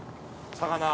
魚。